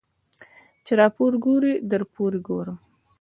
ـ چې راپورې ګورې درپورې ګورم.